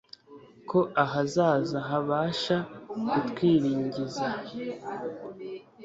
ko ahazaza habasha kutwiringiza